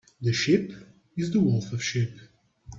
The sheep is the wolf of sheep.